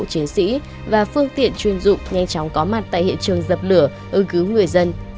chiến sĩ và phương tiện chuyên dụng nhanh chóng có mặt tại hiện trường dập lửa ứng cứu người dân